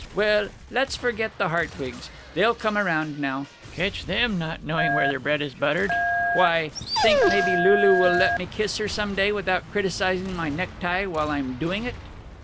Well, let's forget the Hartwigs. They'll come around now. Catch them not knowing where their bread is buttered. Why, think, maybe Lulu will let me kiss her, some day, without criticizing my necktie while I'm doing it!"